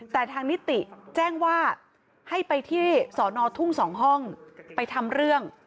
แต่ทางนิติแจ้งว่าให้ไปที่สอนอทุ่ง๒ห้องไปทำเรื่อง